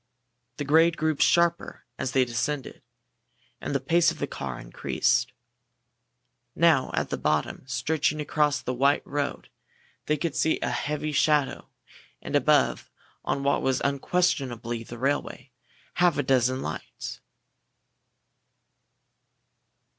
The grade grew sharper as they descended, and the pace of the car increased. Now, at the bottom, stretching across the white road, they could see a heavy shadow and above on what was unquestionably the railway, half a dozen lights.